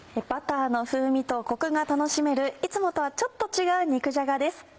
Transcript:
バターの風味とコクが楽しめるいつもとはちょっと違う肉じゃがです。